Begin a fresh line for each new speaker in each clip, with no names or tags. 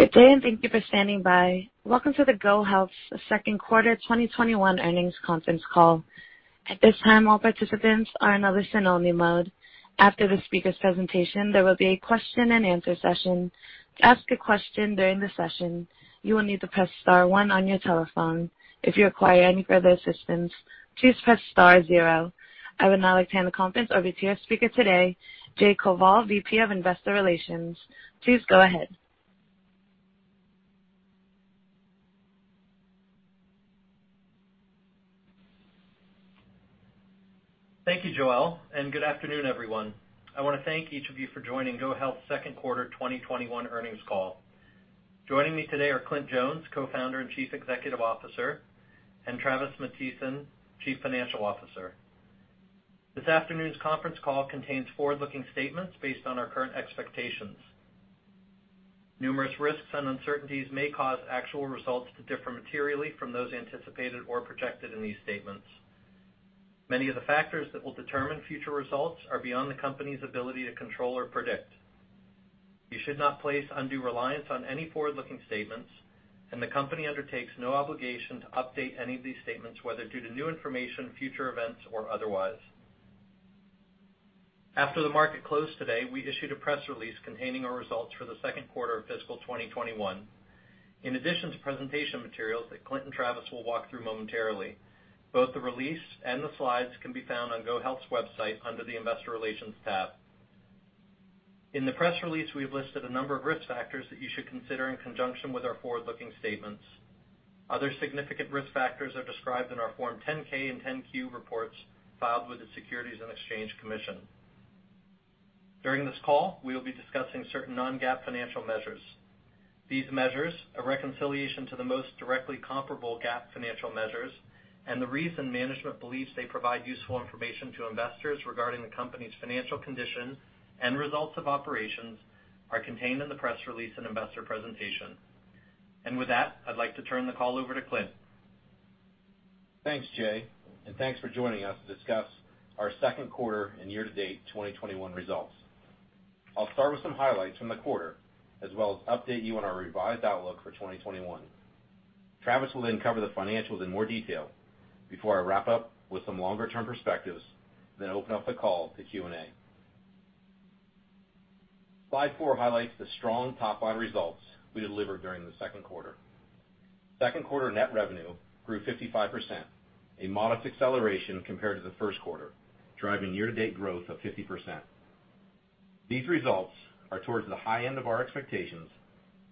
Good day, and thank you for standing by. Welcome to the GoHealth second quarter 2021 earnings conference call. At this time, all participants are in a listen only mode. After the speaker's presentation, there will be a question and answer session. To ask a question during the session, you will need to press star one on your telephone. If you require any further assistance, please press star zero. I would now like to hand the conference over to our speaker today, Jay Koval, VP of Investor Relations. Please go ahead.
Thank you, Joelle, and good afternoon, everyone. I want to thank each of you for joining GoHealth's second quarter 2021 earnings call. Joining me today are Clint Jones, Co-Founder and Chief Executive Officer, and Travis Matthiesen, Chief Financial Officer. This afternoon's conference call contains forward-looking statements based on our current expectations. Numerous risks and uncertainties may cause actual results to differ materially from those anticipated or projected in these statements. Many of the factors that will determine future results are beyond the company's ability to control or predict. You should not place undue reliance on any forward-looking statements, and the company undertakes no obligation to update any of these statements, whether due to new information, future events, or otherwise. After the market closed today, we issued a press release containing our results for the second quarter of fiscal 2021. In addition to presentation materials that Clint and Travis will walk through momentarily, both the release and the slides can be found on GoHealth's website under the investor relations tab. In the press release, we've listed a number of risk factors that you should consider in conjunction with our forward-looking statements. Other significant risk factors are described in our Form 10-K and 10-Q reports filed with the Securities and Exchange Commission. During this call, we will be discussing certain non-GAAP financial measures. These measures, a reconciliation to the most directly comparable GAAP financial measures, and the reason management believes they provide useful information to investors regarding the company's financial condition and results of operations, are contained in the press release and investor presentation. With that, I'd like to turn the call over to Clint.
Thanks, Jay, and thanks for joining us to discuss our second quarter and year-to-date 2021 results. I'll start with some highlights from the quarter, as well as update you on our revised outlook for 2021. Travis will then cover the financials in more detail before I wrap up with some longer-term perspectives, then open up the call to Q&A. Slide 4 highlights the strong top-line results we delivered during the second quarter. Second quarter net revenue grew 55%, a modest acceleration compared to the first quarter, driving year-to-date growth of 50%. These results are towards the high end of our expectations,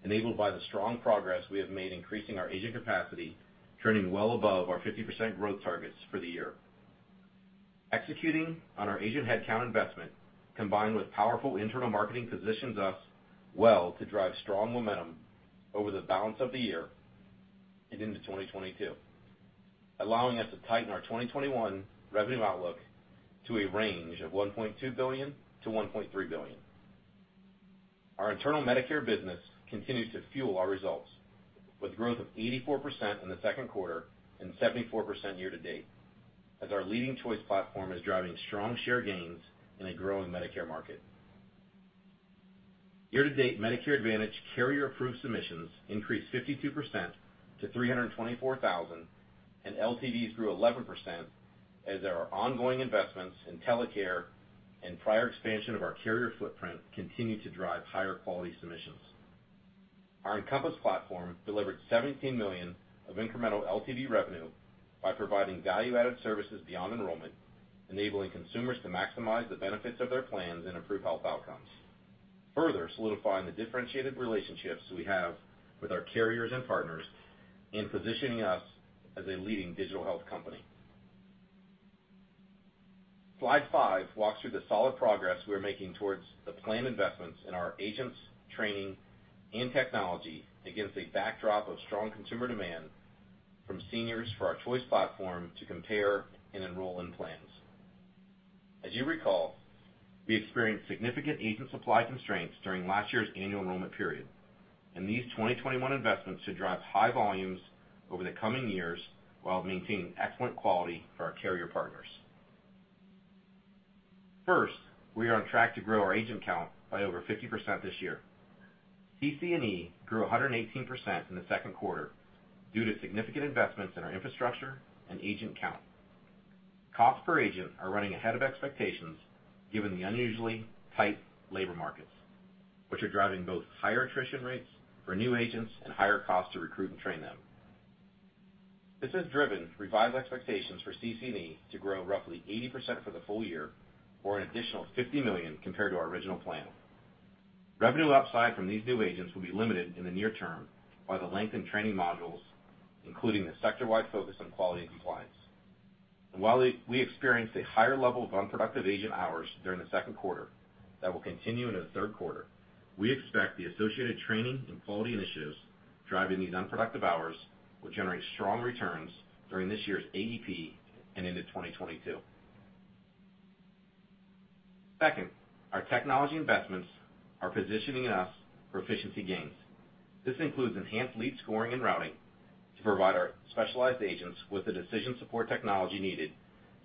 enabled by the strong progress we have made increasing our agent capacity, turning well above our 50% growth targets for the year. Executing on our agent headcount investment, combined with powerful internal marketing, positions us well to drive strong momentum over the balance of the year and into 2022, allowing us to tighten our 2021 revenue outlook to a range of $1.2 billion-$1.3 billion. Our internal Medicare business continues to fuel our results, with growth of 84% in the second quarter and 74% year-to-date, as our leading choice platform is driving strong share gains in a growing Medicare market. Year-to-date, Medicare Advantage carrier-approved submissions increased 52% to 324,000, and LTVs grew 11%, as our ongoing investments in TeleCare and prior expansion of our carrier footprint continue to drive higher quality submissions. Our Encompass platform delivered $17 million of incremental LTV revenue by providing value-added services beyond enrollment, enabling consumers to maximize the benefits of their plans and improve health outcomes, further solidifying the differentiated relationships we have with our carriers and partners in positioning us as a leading digital health company. Slide five walks through the solid progress we are making towards the planned investments in our agents, training, and technology against a backdrop of strong consumer demand from seniors for our choice platform to compare and enroll in plans. As you recall, we experienced significant agent supply constraints during last year's Annual Enrollment Period. These 2021 investments should drive high volumes over the coming years while maintaining excellent quality for our carrier partners. First, we are on track to grow our agent count by over 50% this year. CC&E grew 118% in the second quarter due to significant investments in our infrastructure and agent count. Costs per agent are running ahead of expectations given the unusually tight labor markets, which are driving both higher attrition rates for new agents and higher costs to recruit and train them. This has driven revised expectations for CC&E to grow roughly 80% for the full year or an additional $50 million compared to our original plan. Revenue upside from these new agents will be limited in the near term by the lengthened training modules, including the sector-wide focus on quality and compliance. While we experienced a higher level of unproductive agent hours during the second quarter that will continue into the third quarter, we expect the associated training and quality initiatives driving these unproductive hours will generate strong returns during this year's AEP and into 2022. Second, our technology investments are positioning us for efficiency gains. This includes enhanced lead scoring and routing to provide our specialized agents with the decision support technology needed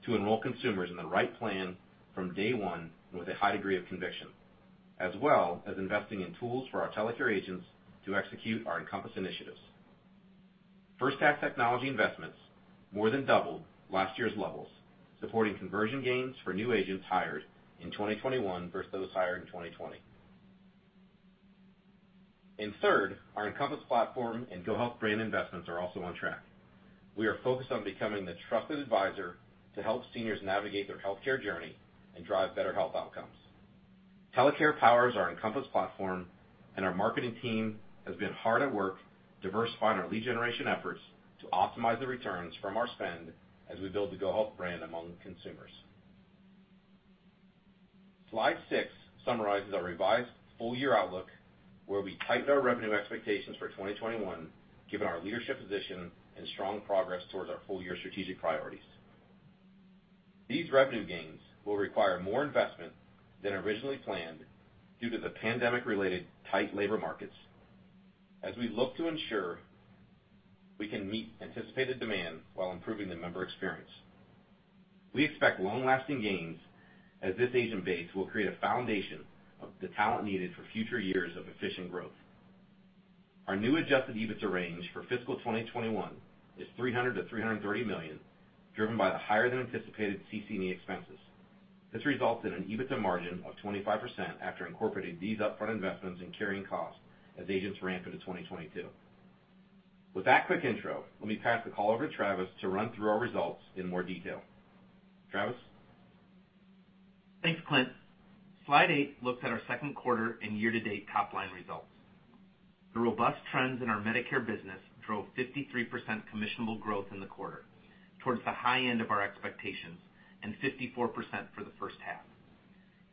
to enroll consumers in the right plan from day one with a high degree of conviction, as well as investing in tools for our TeleCare agents to execute our Encompass initiatives. First half technology investments more than doubled last year's levels, supporting conversion gains for new agents hired in 2021 versus those hired in 2020. Third, our Encompass platform and GoHealth brand investments are also on track. We are focused on becoming the trusted advisor to help seniors navigate their healthcare journey and drive better health outcomes. TeleCare powers our Encompass platform, and our marketing team has been hard at work diversifying our lead generation efforts to optimize the returns from our spend as we build the GoHealth brand among consumers. Slide 6 summarizes our revised full-year outlook, where we tightened our revenue expectations for 2021, given our leadership position and strong progress towards our full-year strategic priorities. These revenue gains will require more investment than originally planned due to the pandemic-related tight labor markets as we look to ensure we can meet anticipated demand while improving the member experience. We expect long-lasting gains, as this agent base will create a foundation of the talent needed for future years of efficient growth. Our new adjusted EBITDA range for fiscal 2021 is $300 million-$330 million, driven by the higher than anticipated CC&E expenses. This results in an EBITDA margin of 25% after incorporating these upfront investments in carrying costs as agents ramp into 2022. With that quick intro, let me pass the call over to Travis to run through our results in more detail. Travis?
Thanks, Clint. Slide eight looks at our second quarter and year-to-date top-line results. The robust trends in our Medicare business drove 53% commissionable growth in the quarter towards the high end of our expectations, and 54% for the first half.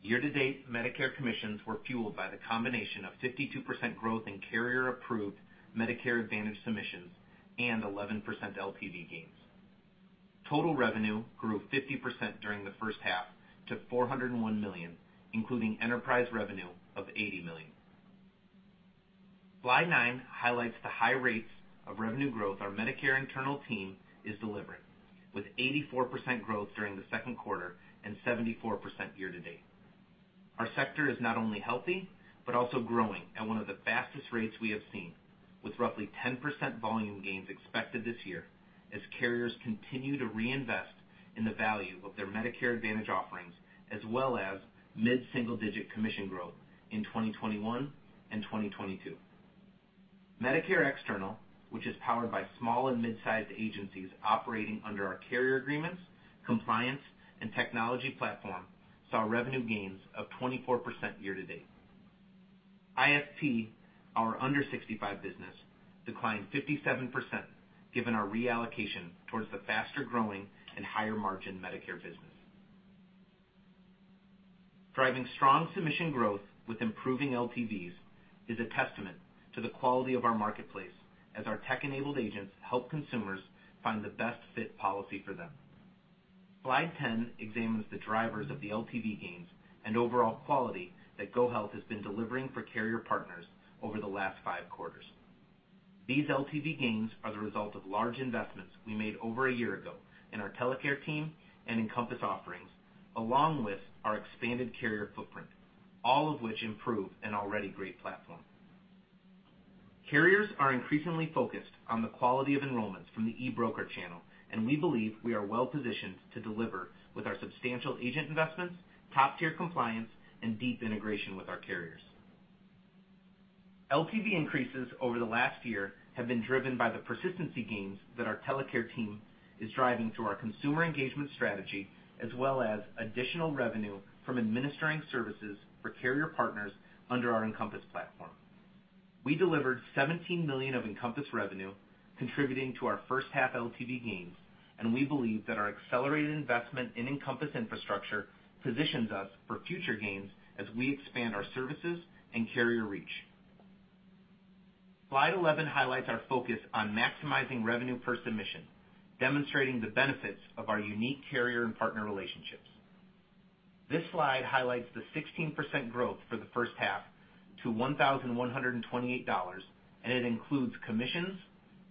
Year-to-date, Medicare commissions were fueled by the combination of 52% growth in carrier-approved Medicare Advantage submissions and 11% LTV gains. Total revenue grew 50% during the first half to $401 million, including enterprise revenue of $80 million. Slide nine highlights the high rates of revenue growth our Medicare internal team is delivering, with 84% growth during the second quarter and 74% year-to-date. Our sector is not only healthy, but also growing at one of the fastest rates we have seen, with roughly 10% volume gains expected this year as carriers continue to reinvest in the value of their Medicare Advantage offerings, as well as mid-single-digit commission growth in 2021 and 2022. Medicare external, which is powered by small and mid-sized agencies operating under our carrier agreements, compliance, and technology platform, saw revenue gains of 24% year to date. IFP, our under 65 business, declined 57%, given our reallocation towards the faster-growing and higher-margin Medicare business. Driving strong submission growth with improving LTVs is a testament to the quality of our marketplace as our tech-enabled agents help consumers find the best fit policy for them. Slide 10 examines the drivers of the LTV gains and overall quality that GoHealth has been delivering for carrier partners over the last 5 quarters. These LTV gains are the result of large investments we made over a year ago in our TeleCare team and Encompass offerings, along with our expanded carrier footprint, all of which improve an already great platform. Carriers are increasingly focused on the quality of enrollments from the e-broker channel, and we believe we are well positioned to deliver with our substantial agent investments, top-tier compliance, and deep integration with our carriers. LTV increases over the last year have been driven by the persistency gains that our TeleCare team is driving through our consumer engagement strategy as well as additional revenue from administering services for carrier partners under our Encompass platform. We delivered $17 million of Encompass revenue, contributing to our first half LTV gains, and we believe that our accelerated investment in Encompass infrastructure positions us for future gains as we expand our services and carrier reach. Slide 11 highlights our focus on maximizing revenue per submission, demonstrating the benefits of our unique carrier and partner relationships. This slide highlights the 16% growth for the first half to $1,128, and it includes commissions,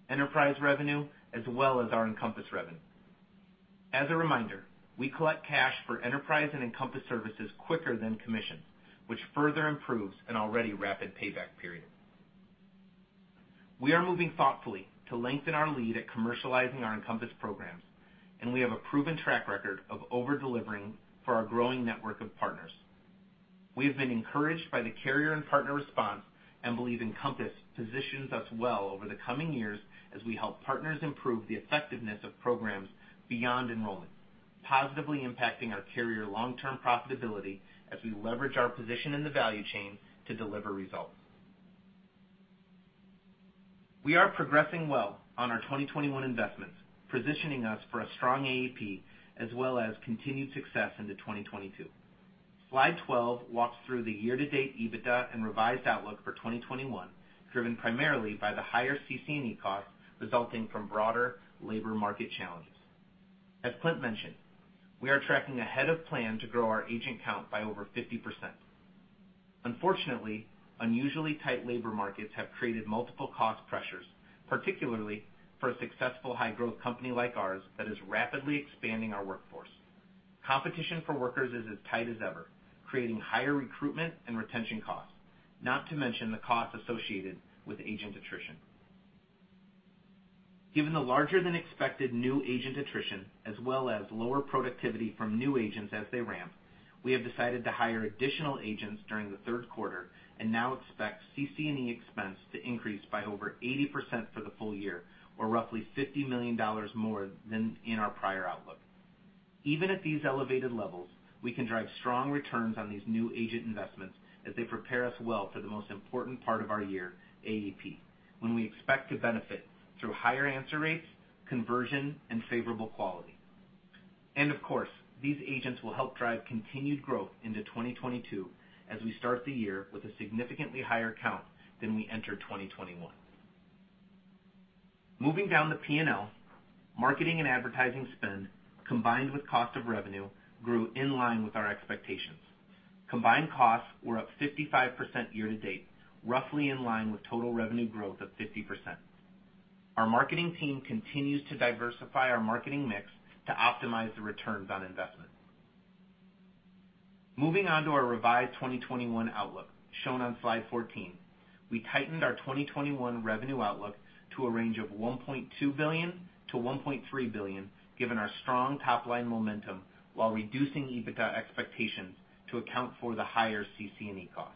enterprise revenue, as well as our Encompass revenue. As a reminder, we collect cash for enterprise and Encompass services quicker than commissions, which further improves an already rapid payback period. We are moving thoughtfully to lengthen our lead at commercializing our Encompass programs, and we have a proven track record of over-delivering for our growing network of partners. We have been encouraged by the carrier and partner response and believe Encompass positions us well over the coming years as we help partners improve the effectiveness of programs beyond enrollment, positively impacting our carrier long-term profitability as we leverage our position in the value chain to deliver results. We are progressing well on our 2021 investments, positioning us for a strong AEP as well as continued success into 2022. Slide 12 walks through the year-to-date EBITDA and revised outlook for 2021, driven primarily by the higher CC&E costs resulting from broader labor market challenges. As Clint mentioned, we are tracking ahead of plan to grow our agent count by over 50%. Unfortunately, unusually tight labor markets have created multiple cost pressures, particularly for a successful high-growth company like ours that is rapidly expanding our workforce. Competition for workers is as tight as ever, creating higher recruitment and retention costs, not to mention the costs associated with agent attrition. Given the larger than expected new agent attrition, as well as lower productivity from new agents as they ramp, we have decided to hire additional agents during the third quarter and now expect CC&E expense to increase by over 80% for the full year, or roughly $50 million more than in our prior outlook. Even at these elevated levels, we can drive strong returns on these new agent investments as they prepare us well for the most important part of our year, AEP, when we expect to benefit through higher answer rates, conversion, and favorable quality. Of course, these agents will help drive continued growth into 2022 as we start the year with a significantly higher count than we entered 2021. Moving down the P&L, marketing and advertising spend, combined with cost of revenue, grew in line with our expectations. Combined costs were up 55% year to date, roughly in line with total revenue growth of 50%. Our marketing team continues to diversify our marketing mix to optimize the returns on investment. Moving on to our revised 2021 outlook, shown on slide 14, we tightened our 2021 revenue outlook to a range of $1.2 billion-$1.3 billion, given our strong top-line momentum, while reducing EBITDA expectations to account for the higher CC&E costs.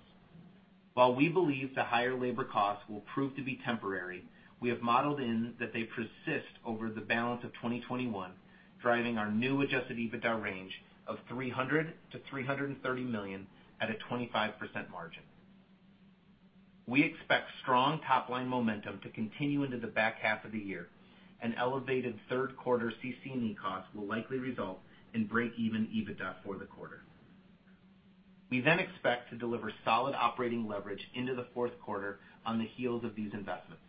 While we believe the higher labor costs will prove to be temporary, we have modeled in that they persist over the balance of 2021, driving our new adjusted EBITDA range of $300 million-$330 million at a 25% margin. We expect strong top-line momentum to continue into the back half of the year, and elevated third quarter CC&E costs will likely result in break-even EBITDA for the quarter. We expect to deliver solid operating leverage into the 4th quarter on the heels of these investments.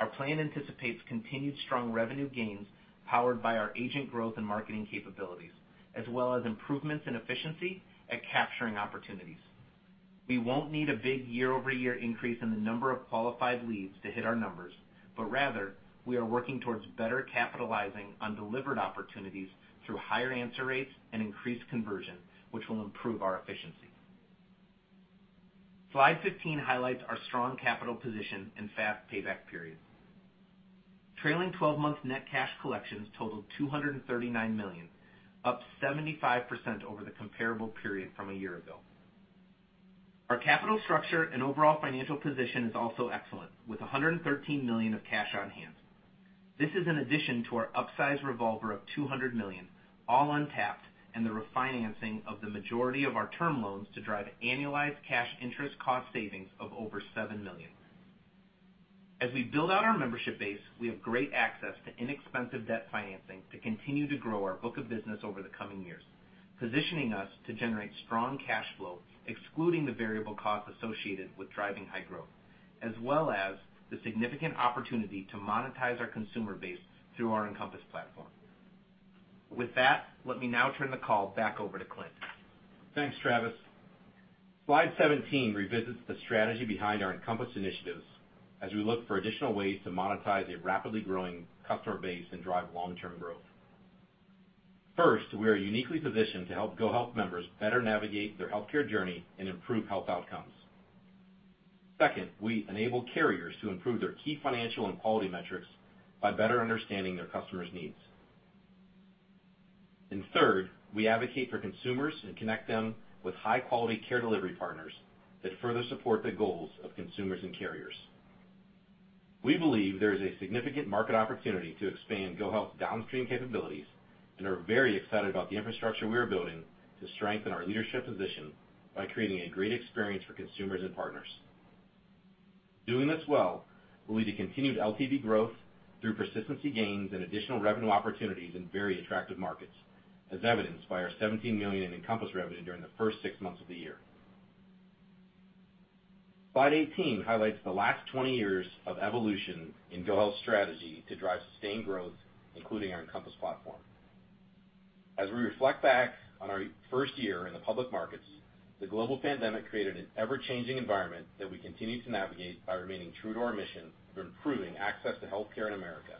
Our plan anticipates continued strong revenue gains powered by our agent growth and marketing capabilities, as well as improvements in efficiency at capturing opportunities. We won't need a big year-over-year increase in the number of qualified leads to hit our numbers, but rather, we are working towards better capitalizing on delivered opportunities through higher answer rates and increased conversion, which will improve our efficiency. Slide 15 highlights our strong capital position and fast payback period. Trailing 12-month net cash collections totaled $239 million, up 75% over the comparable period from a year ago. Our capital structure and overall financial position is also excellent, with $113 million of cash on hand. This is an addition to our upsized revolver of $200 million, all untapped, and the refinancing of the majority of our term loans to drive annualized cash interest cost savings of over $7 million. As we build out our membership base, we have great access to inexpensive debt financing to continue to grow our book of business over the coming years, positioning us to generate strong cash flow, excluding the variable costs associated with driving high growth, as well as the significant opportunity to monetize our consumer base through our Encompass platform. With that, let me now turn the call back over to Clint.
Thanks, Travis. Slide 17 revisits the strategy behind our Encompass initiatives as we look for additional ways to monetize a rapidly growing customer base and drive long-term growth. First, we are uniquely positioned to help GoHealth members better navigate their healthcare journey and improve health outcomes. Second, we enable carriers to improve their key financial and quality metrics by better understanding their customers' needs. Third, we advocate for consumers and connect them with high-quality care delivery partners that further support the goals of consumers and carriers. We believe there is a significant market opportunity to expand GoHealth's downstream capabilities and are very excited about the infrastructure we are building to strengthen our leadership position by creating a great experience for consumers and partners. Doing this well will lead to continued LTV growth through persistency gains and additional revenue opportunities in very attractive markets, as evidenced by our $17 million in Encompass revenue during the first 6 months of the year. Slide 18 highlights the last 20 years of evolution in GoHealth's strategy to drive sustained growth, including our Encompass platform. As we reflect back on our first year in the public markets, the global pandemic created an ever-changing environment that we continue to navigate by remaining true to our mission through improving access to healthcare in America.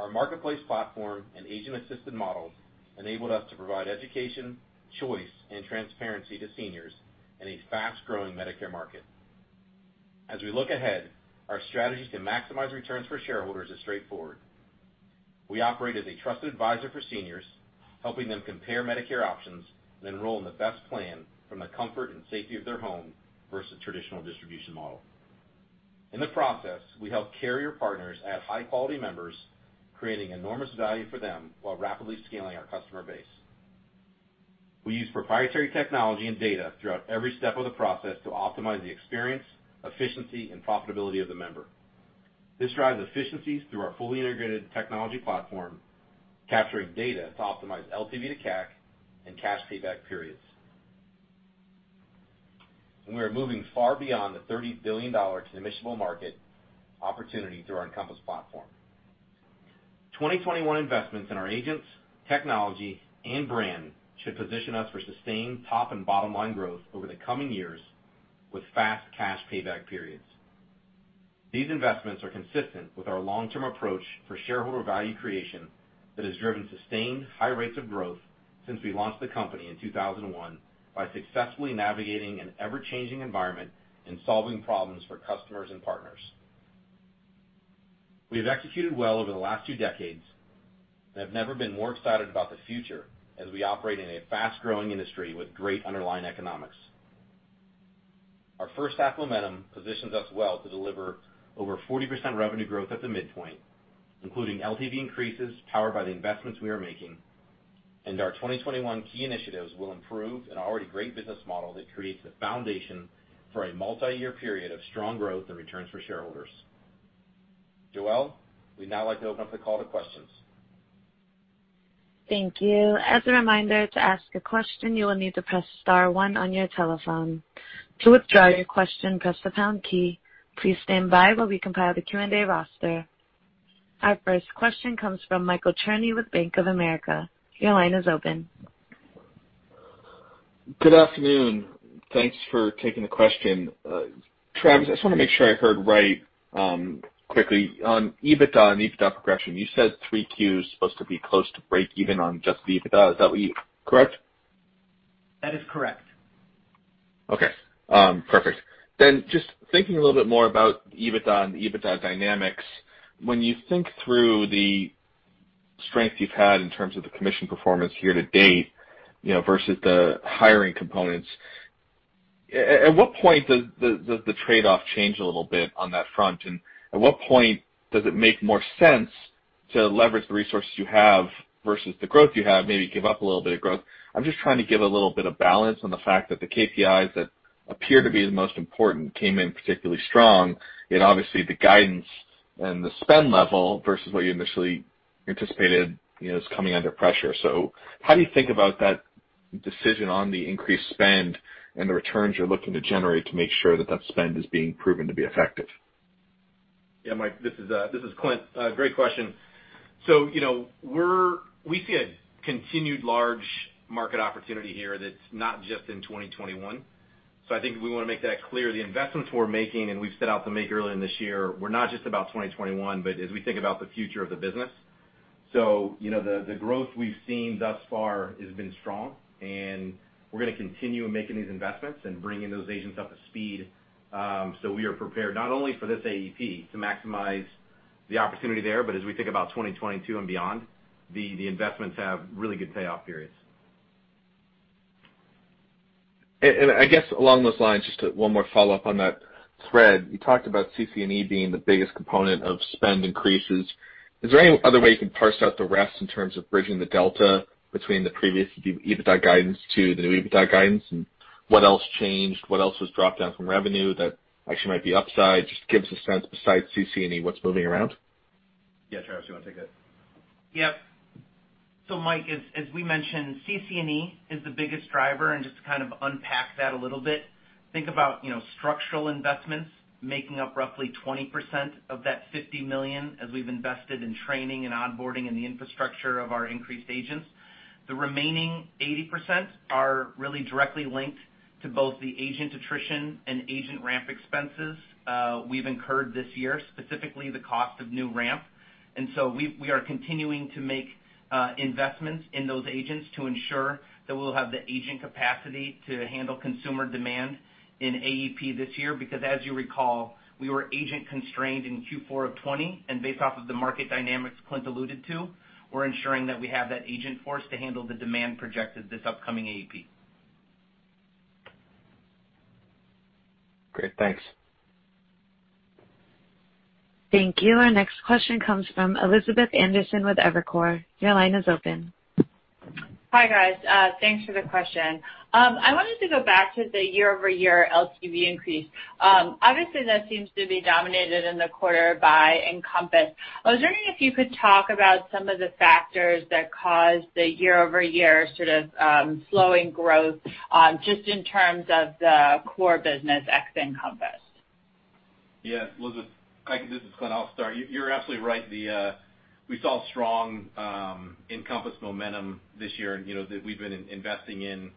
Our marketplace platform and agent-assisted models enabled us to provide education, choice, and transparency to seniors in a fast-growing Medicare market. As we look ahead, our strategies to maximize returns for shareholders is straightforward. We operate as a trusted advisor for seniors, helping them compare Medicare options and enroll in the best plan from the comfort and safety of their home versus a traditional distribution model. In the process, we help carrier partners add high-quality members, creating enormous value for them while rapidly scaling our customer base. We use proprietary technology and data throughout every step of the process to optimize the experience, efficiency, and profitability of the member. This drives efficiencies through our fully integrated technology platform, capturing data to optimize LTV to CAC and cash payback periods. We are moving far beyond the $30 billion commissionable market opportunity through our Encompass platform. 2021 investments in our agents, technology, and brand should position us for sustained top and bottom line growth over the coming years with fast cash payback periods. These investments are consistent with our long-term approach for shareholder value creation that has driven sustained high rates of growth since we launched the company in 2001 by successfully navigating an ever-changing environment and solving problems for customers and partners. We have executed well over the last two decades and have never been more excited about the future as we operate in a fast-growing industry with great underlying economics. Our first half momentum positions us well to deliver over 40% revenue growth at the midpoint, including LTV increases powered by the investments we are making, and our 2021 key initiatives will improve an already great business model that creates the foundation for a multi-year period of strong growth and returns for shareholders. Joelle, we'd now like to open up the call to questions.
Thank you. As a reminder, to ask a question, you will need to press star one on your telephone. To withdraw your question, press the pound key. Please stand by while we compile the Q&A roster. Our first question comes from Michael Cherny with Bank of America. Your line is open.
Good afternoon. Thanks for taking the question. Travis, I just want to make sure I heard right, quickly. On EBITDA and EBITDA progression, you said three Qs supposed to be close to break even on just the EBITDA. Is that correct?
That is correct.
Okay. Perfect. Just thinking a little bit more about EBITDA and EBITDA dynamics, when you think through the strength you've had in terms of the commission performance year to date versus the hiring components, at what point does the trade-off change a little bit on that front? At what point does it make more sense to leverage the resources you have versus the growth you have, maybe give up a little bit of growth? I'm just trying to give a little bit of balance on the fact that the KPIs that appear to be the most important came in particularly strong, yet obviously the guidance and the spend level versus what you initially anticipated is coming under pressure. How do you think about that decision on the increased spend and the returns you're looking to generate to make sure that spend is being proven to be effective?
Yeah, Mike, this is Clint. Great question. We see a continued large market opportunity here that's not just in 2021. I think we want to make that clear. The investments we're making, and we've set out to make earlier in this year, were not just about 2021, but as we think about the future of the business. The growth we've seen thus far has been strong, and we're going to continue making these investments and bringing those agents up to speed, so we are prepared not only for this AEP to maximize the opportunity there, but as we think about 2022 and beyond, the investments have really good payoff periods.
I guess along those lines, just one more follow-up on that thread. You talked about CC&E being the biggest component of spend increases. Is there any other way you can parse out the rest in terms of bridging the delta between the previous EBITDA guidance to the new EBITDA guidance, and what else changed? What else was dropped down from revenue that actually might be upside? Just give us a sense besides CC&E, what's moving around.
Yeah, Travis, you want to take it?
Yep. Mike, as we mentioned, CC&E is the biggest driver, and just to kind of unpack that a little bit, think about structural investments making up roughly 20% of that $50 million as we've invested in training and onboarding and the infrastructure of our increased agents. The remaining 80% are really directly linked to both the agent attrition and agent ramp expenses we've incurred this year, specifically the cost of new ramp. We are continuing to make investments in those agents to ensure that we'll have the agent capacity to handle consumer demand in AEP this year, because as you recall, we were agent constrained in Q4 of 2020, and based off of the market dynamics Clint alluded to, we're ensuring that we have that agent force to handle the demand projected this upcoming AEP.
Great. Thanks.
Thank you. Our next question comes from Elizabeth Anderson with Evercore. Your line is open.
Hi, guys. Thanks for the question. I wanted to go back to the year-over-year LTV increase. Obviously, that seems to be dominated in the quarter by Encompass. I was wondering if you could talk about some of the factors that caused the year-over-year sort of slowing growth, just in terms of the core business ex Encompass.
Yeah, Elizabeth. This is Clint. I'll start. You're absolutely right. We saw strong Encompass momentum this year that we've been investing in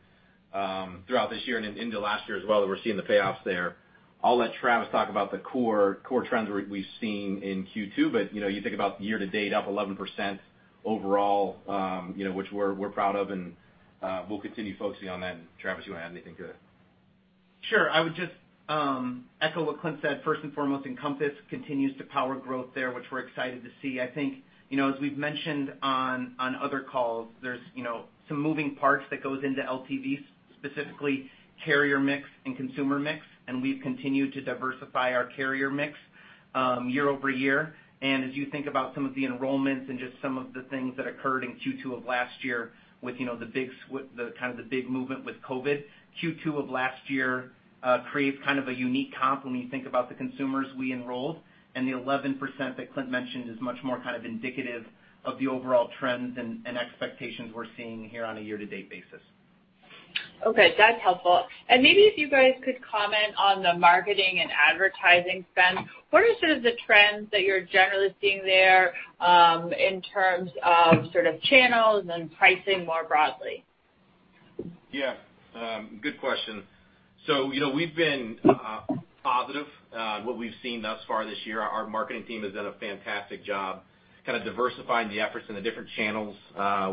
throughout this year and into last year as well. We're seeing the payoffs there. I'll let Travis talk about the core trends we've seen in Q2, but you think about year to date up 11% overall, which we're proud of and we'll continue focusing on that. Travis, you want to add anything to that?
Sure. I would just echo what Clint said. First and foremost, Encompass continues to power growth there, which we're excited to see. I think, as we've mentioned on other calls, there's some moving parts that goes into LTV, specifically carrier mix and consumer mix, and we've continued to diversify our carrier mix year-over-year. As you think about some of the enrollments and just some of the things that occurred in Q2 of last year with the kind of the big movement with COVID, Q2 of last year creates kind of a unique comp when we think about the consumers we enrolled, and the 11% that Clint mentioned is much more kind of indicative of the overall trends and expectations we're seeing here on a year-to-date basis.
Okay, that's helpful. Maybe if you guys could comment on the marketing and advertising spend, what are sort of the trends that you're generally seeing there, in terms of sort of channels and pricing more broadly?
Yeah. Good question. We've been positive. What we've seen thus far this year, our marketing team has done a fantastic job kind of diversifying the efforts in the different channels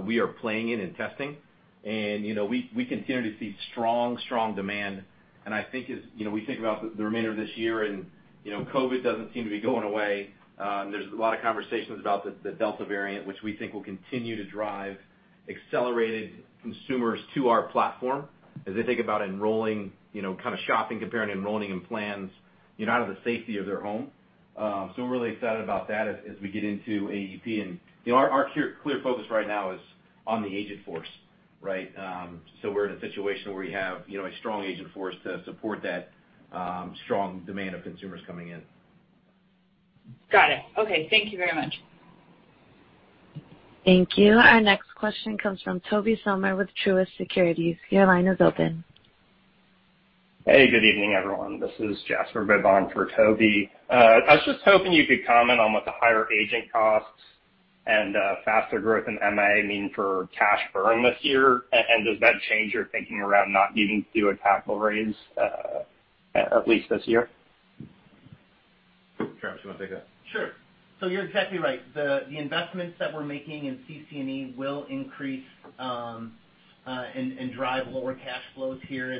we are playing in and testing. We continue to see strong demand. I think as we think about the remainder of this year, COVID doesn't seem to be going away, there's a lot of conversations about the Delta variant, which we think will continue to drive accelerated consumers to our platform as they think about enrolling, kind of shopping, comparing, enrolling in plans, out of the safety of their home. We're really excited about that as we get into AEP, and our clear focus right now is on the agent force, right? We're in a situation where we have a strong agent force to support that strong demand of consumers coming in.
Got it. Okay. Thank you very much.
Thank you. Our next question comes from Tobey Sommer with Truist Securities. Your line is open.
Hey, good evening, everyone. This is Jasper Bibb for Tobey Sommer. I was just hoping you could comment on what the higher agent costs and faster growth in MA mean for cash burn this year, and does that change your thinking around not needing to do a capital raise, at least this year?
Travis, you want to take that?
Sure. You're exactly right. The investments that we're making in CC&E will increase, and drive lower cash flows here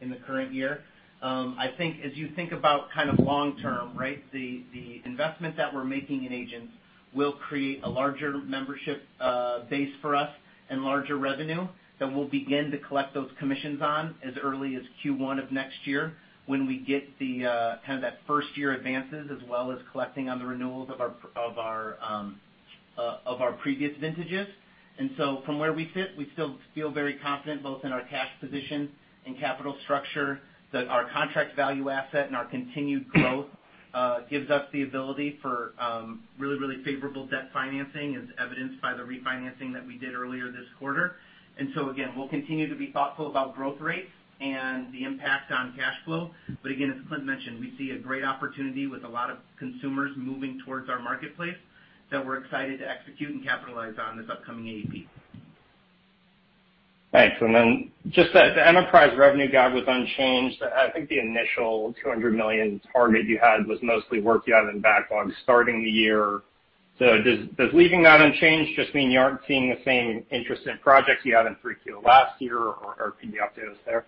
in the current year. I think as you think about kind of long term, right, the investment that we're making in agents will create a larger membership base for us and larger revenue that we'll begin to collect those commissions on as early as Q1 of next year when we get kind of that first-year advances, as well as collecting on the renewals of our previous vintages. From where we sit, we still feel very confident both in our cash position and capital structure, that our contract value asset and our continued growth gives us the ability for really, really favorable debt financing, as evidenced by the refinancing that we did earlier this quarter. Again, we'll continue to be thoughtful about growth rates and the impact on cash flow. Again, as Clint mentioned, we see a great opportunity with a lot of consumers moving towards our marketplace that we're excited to execute and capitalize on this upcoming AEP.
Thanks. Just that the enterprise revenue guide was unchanged. I think the initial $200 million target you had was mostly work you had in backlog starting the year. Does leaving that unchanged just mean you aren't seeing the same interest in projects you had in 3Q last year or can you update us there?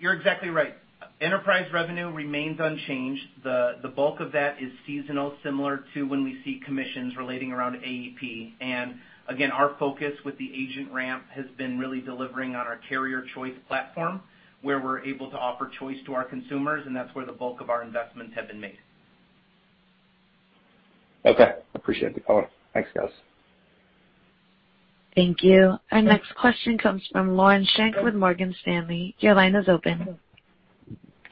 You're exactly right. Enterprise revenue remains unchanged. The bulk of that is seasonal, similar to when we see commissions relating around AEP. Again, our focus with the agent ramp has been really delivering on our carrier choice platform, where we're able to offer choice to our consumers, and that's where the bulk of our investments have been made.
Okay. Appreciate the color. Thanks, guys.
Thank you. Our next question comes from Lauren Schenk with Morgan Stanley. Your line is open.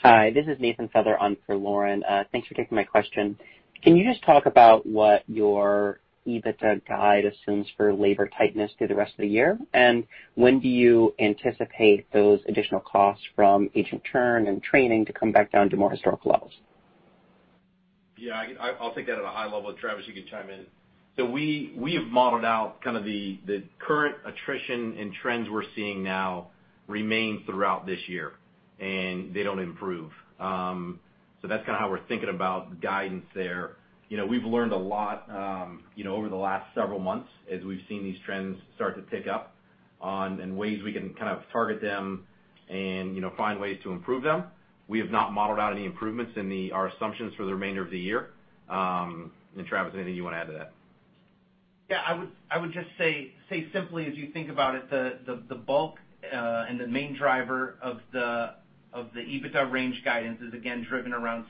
Hi, this is Nathan Feather on for Lauren. Thanks for taking my question. Can you just talk about what your EBITDA guide assumes for labor tightness through the rest of the year? When do you anticipate those additional costs from agent churn and training to come back down to more historical levels?
Yeah. I'll take that at a high level. Travis, you can chime in. We have modeled out kind of the current attrition and trends we're seeing now remain throughout this year, and they don't improve. That's kind of how we're thinking about the guidance there. We've learned a lot over the last several months as we've seen these trends start to tick up, and ways we can kind of target them and find ways to improve them. We have not modeled out any improvements in our assumptions for the remainder of the year. Travis, anything you want to add to that?
Yeah, I would just say simply as you think about it, the bulk, and the main driver of the EBITDA range guidance is again driven around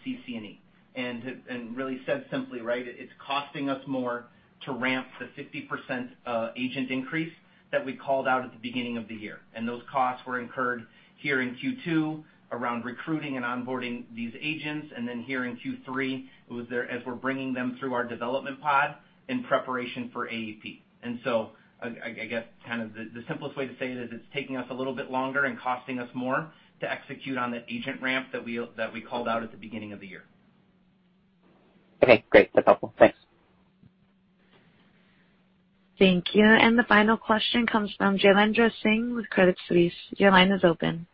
CC&E. Really said simply, right, it's costing us more to ramp the 50% agent increase that we called out at the beginning of the year. Those costs were incurred here in Q2 around recruiting and onboarding these agents, and then here in Q3, as we're bringing them through our development pod in preparation for AEP. I guess kind of the simplest way to say it is it's taking us a little bit longer and costing us more to execute on the agent ramp that we called out at the beginning of the year.
Okay, great. That's helpful. Thanks.
Thank you. The final question comes from Jailendra Singh with Credit Suisse. Your line is open.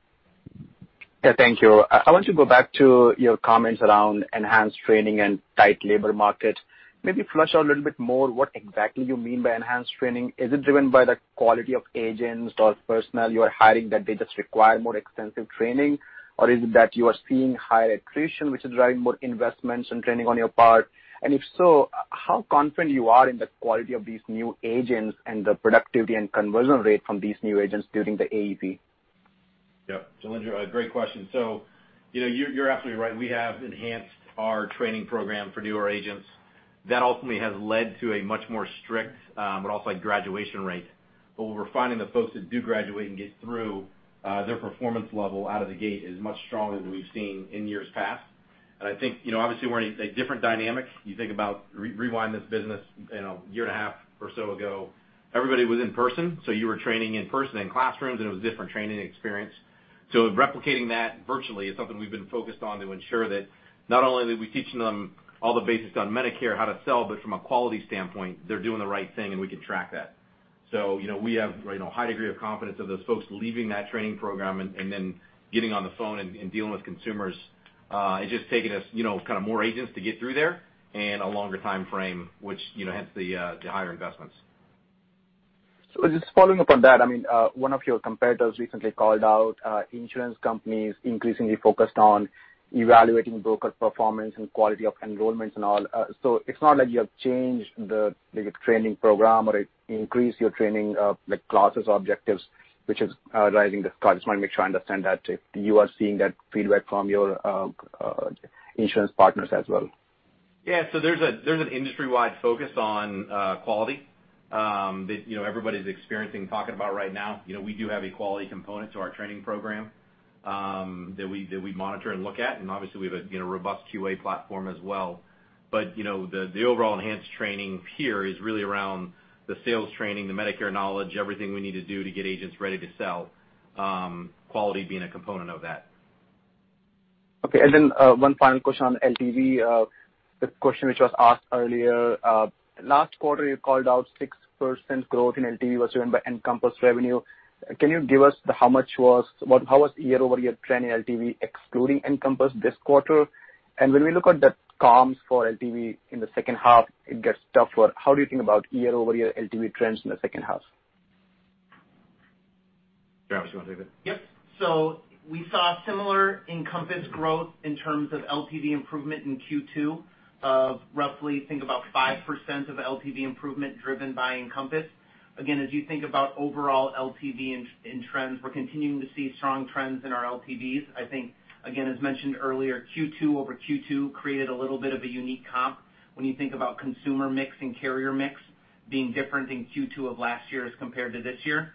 Yeah, thank you. I want to go back to your comments around enhanced training and tight labor market. Maybe flesh out a little bit more what exactly you mean by enhanced training. Is it driven by the quality of agents or personnel you are hiring that they just require more extensive training? Or is it that you are seeing higher attrition, which is driving more investments and training on your part? If so, how confident you are in the quality of these new agents and the productivity and conversion rate from these new agents during the AEP?
Yep. Jailendra, great question. You're absolutely right. We have enhanced our training program for newer agents. That ultimately has led to a much more strict, but also a graduation rate. What we're finding the folks that do graduate and get through, their performance level out of the gate is much stronger than we've seen in years past. I think, obviously we're in a different dynamic. You think about, rewind this business a year and a half or so ago, everybody was in person, so you were training in person in classrooms, and it was a different training experience. Replicating that virtually is something we've been focused on to ensure that not only are we teaching them all the basics on Medicare, how to sell, but from a quality standpoint, they're doing the right thing, and we can track that. We have a high degree of confidence of those folks leaving that training program and then getting on the phone and dealing with consumers. It's just taking us kind of more agents to get through there and a longer timeframe, which hence the higher investments.
Just following up on that, one of your competitors recently called out insurance companies increasingly focused on evaluating broker performance and quality of enrollments and all. It's not like you have changed the training program or increased your training, like classes or objectives, which is driving this. I just want to make sure I understand that you are seeing that feedback from your insurance partners as well.
Yeah. There's an industry-wide focus on quality that everybody's experiencing, talking about right now. We do have a quality component to our training program that we monitor and look at, and obviously we have a robust QA platform as well. The overall enhanced training here is really around the sales training, the Medicare knowledge, everything we need to do to get agents ready to sell, quality being a component of that.
Okay, 1 final question on LTV. The question which was asked earlier. Last quarter, you called out 6% growth in LTV was driven by Encompass revenue. Can you give us how was year-over-year trend in LTV excluding Encompass this quarter? When we look at the comps for LTV in the second half, it gets tougher. How do you think about year-over-year LTV trends in the second half?
Travis, you want to take that?
Yep. We saw similar Encompass growth in terms of LTV improvement in Q2 of roughly, think about 5% of LTV improvement driven by Encompass. As you think about overall LTV in trends, we're continuing to see strong trends in our LTVs. I think, as mentioned earlier, Q2-over-Q2 created a little bit of a unique comp when you think about consumer mix and carrier mix being different in Q2 of last year as compared to this year.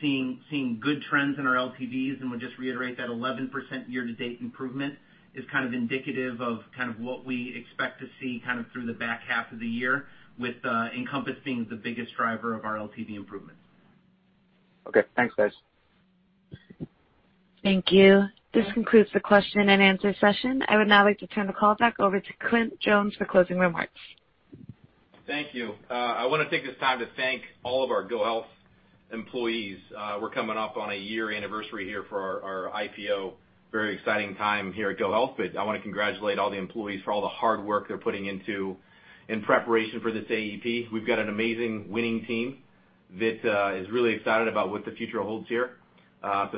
Seeing good trends in our LTVs, would just reiterate that 11% year-to-date improvement is kind of indicative of kind of what we expect to see kind of through the back half of the year with Encompass being the biggest driver of our LTV improvements.
Okay. Thanks, guys.
Thank you. This concludes the question and answer session. I would now like to turn the call back over to Clint Jones for closing remarks.
Thank you. I want to take this time to thank all of our GoHealth employees. We're coming up on a year anniversary here for our IPO, very exciting time here at GoHealth. I want to congratulate all the employees for all the hard work they're putting into in preparation for this AEP. We've got an amazing winning team that is really excited about what the future holds here.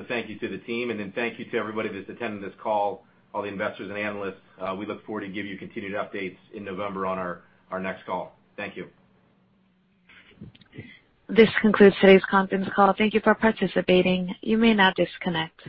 Thank you to the team, and then thank you to everybody that's attending this call, all the investors and analysts. We look forward to giving you continued updates in November on our next call. Thank you.
This concludes today's conference call. Thank you for participating. You may now disconnect.